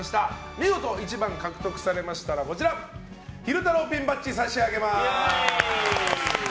見事１番を獲得されましたら昼太郎ピンバッジを差し上げます。